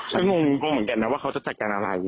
ฉันงงกันว่าเขาจะจัดการอะไร